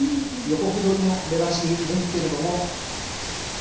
横歩取りの出だしですけれども。